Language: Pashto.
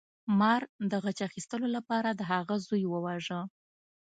مار د غچ اخیستلو لپاره د هغه زوی وواژه.